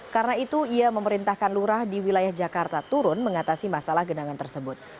karena itu ia memerintahkan lurah di wilayah jakarta turun mengatasi masalah genangan tersebut